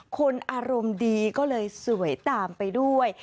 คนอารมณ์ดีก็เลยสวยตามไปด้วย